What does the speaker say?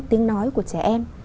tiếng nói của trẻ em